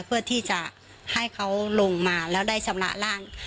เพื่อที่จะให้เขาลงมาแล้วได้ชำระร่าง